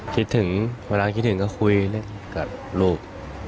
คิดถึงเวลาคิดถึงก็คุยกับลูก